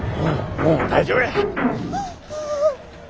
もう大丈夫や。